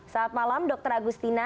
selamat malam dokter agustina